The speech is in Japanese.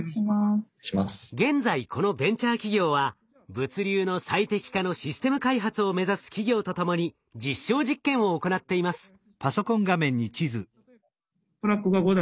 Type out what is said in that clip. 現在このベンチャー企業は物流の最適化のシステム開発を目指す企業と共に実証実験を行っています。